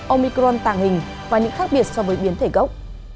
omicron tàng hình và những khác biệt so với biến thể gốc